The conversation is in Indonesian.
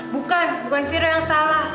bukan bukan virus yang salah